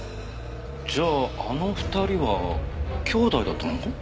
じゃああの２人は兄弟だったのか。